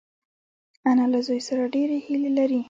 انا له زوی سره ډېرې هیلې لري